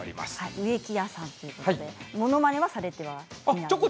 植木屋さんということでものまねはされてないんですか？